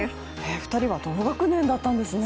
２人は同学年だったんですね。